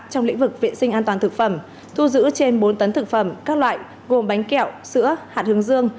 trong lĩnh vực vệ sinh an toàn thực phẩm thu giữ trên bốn tấn thực phẩm các loại gồm bánh kẹo sữa hạt hướng dương